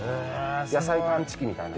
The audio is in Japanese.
野菜探知機みたいな。